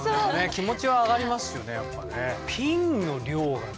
気持ちは上がりますよねやっぱね。